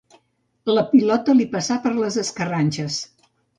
La pilota li passà per les escarranxes.